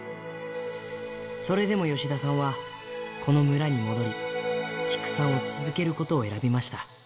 それでも吉田さんはこの村に戻り、畜産を続けることを選びました。